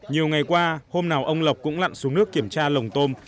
nhiều ngày qua hôm nào ông lộc cũng lặn xuống nước kiểm tra lồng tôm